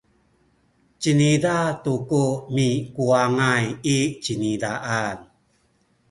ciniza tu ku mikuwangay i cinizaan.